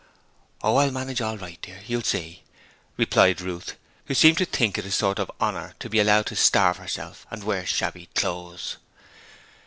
'Oh, I'll manage all right, dear, you'll see,' replied Ruth, who seemed to think it a sort of honour to be allowed to starve herself and wear shabby clothes.